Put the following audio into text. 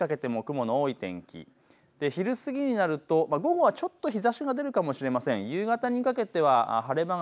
昼前にかけても雲の多い天気で昼過ぎになると午後はちょっと日ざしが出るかもしれません。